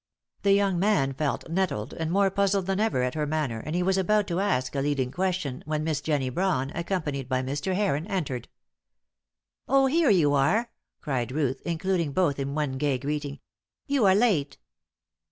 The young man felt nettled, and more puzzled than ever at her manner, and he was about to ask a leading question when Miss Jennie Brawn, accompanied by Mr. Heron, entered. "Oh, here you are," cried Ruth, including both in one gay greeting. "You are late."